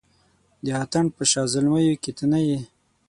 د اتڼ په شاه زلمیانو کې ته نه یې